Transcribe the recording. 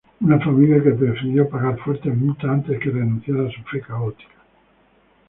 Una familia que prefirió pagar fuertes multas antes que renunciar a su fe católica.